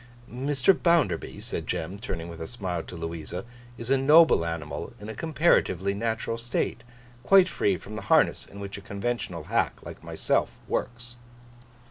'Mr. Bounderby,' said Jem, turning with a smile to Louisa, 'is a noble animal in a comparatively natural state, quite free from the harness in which a conventional hack like myself works.